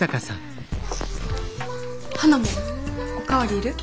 花もお代わりいる？